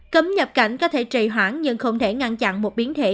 cấm nhập cảnh có thể trì hoãn nhưng không thể ngăn chặn một biến thể